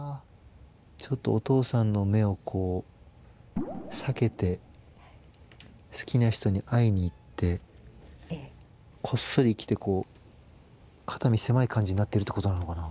ちょっとお父さんの目をこう避けて好きな人に会いに行ってこっそり来てこう肩身狭い感じになってるってことなのかな？